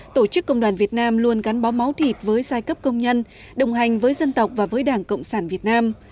tổ chức công đoàn việt nam luôn gắn bó máu thịt với giai cấp công nhân đồng hành với dân tộc và với đảng cộng sản việt nam